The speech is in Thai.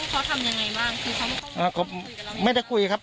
เขาเขาเขาเขาทำยังไงบ้างคือเขาไม่ได้คุยครับ